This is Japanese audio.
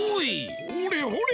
ほれほれ